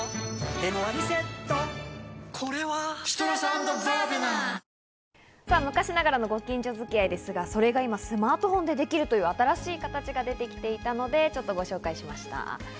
「お椀で食べるシリーズ」昔ながらのご近所付き合いですが、それが今、スマートフォンでできるという、新しい形が出てきていたのでご紹介しました。